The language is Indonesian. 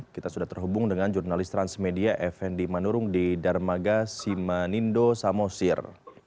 kita sudah terhubung dengan jurnalis transmedia effendi manurung di darmaga simanindo samosir